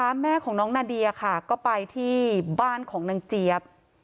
แม่ของน้องนาเดียค่ะก็ไปที่บ้านของนางเจี๊ยบ